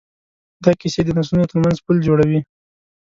دا کیسې د نسلونو ترمنځ پل جوړوي.